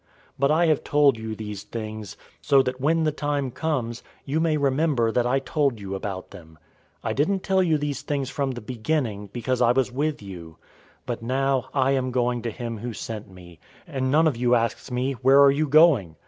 016:004 But I have told you these things, so that when the time comes, you may remember that I told you about them. I didn't tell you these things from the beginning, because I was with you. 016:005 But now I am going to him who sent me, and none of you asks me, 'Where are you going?'